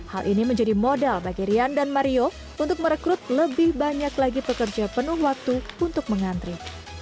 hal ini menjadi modal bagi rian dan mario untuk merekrut lebih banyak lagi pekerja penuh waktu untuk mengantri